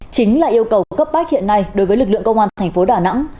chính là yêu cầu cấp bách hiện nay đối với lực lượng công an thành phố đà nẵng